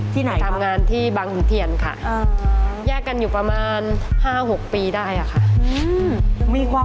มีตัวใบพลิปแก้งตายดีกว่า